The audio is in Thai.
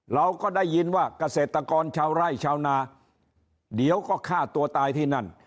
เราก็ได้ยินว่าเกษตรกรชาวไร่ชาวนาเดี๋ยวก็ฆ่าตัวตายที่นั่น